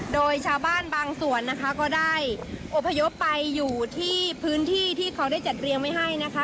โดยชาวบ้านบางส่วนนะคะก็ได้อบพยพไปอยู่ที่พื้นที่ที่เขาได้จัดเรียงไว้ให้นะคะ